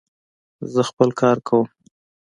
زه خپل کار کوم.